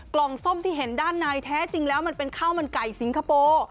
ส้มที่เห็นด้านในแท้จริงแล้วมันเป็นข้าวมันไก่สิงคโปร์